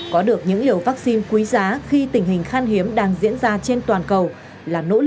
có được những liều vaccine quý giá khi tình hình khan hiếm đang diễn ra trên toàn cầu